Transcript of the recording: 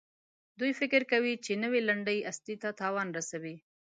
دوی فکر کوي چې نوي لنډۍ اصلي ته تاوان رسوي.